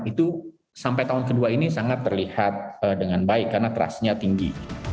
itu sampai tahun kedua ini sangat terlihat dengan baik karena trustnya tinggi